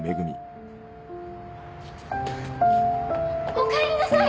おかえりなさい！